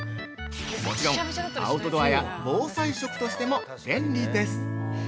もちろん、アウトドアや防災食としても便利です。